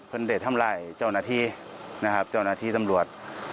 ได้ทำลายเจ้าหน้าที่นะครับเจ้าหน้าที่ตำรวจ